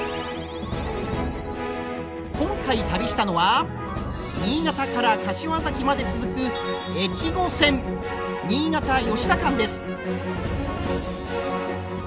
今回旅したのは新潟から柏崎まで続く越後線新潟ー吉田間です。